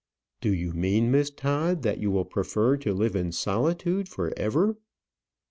"Do you mean, Miss Todd, that you will prefer to live in solitude for ever?"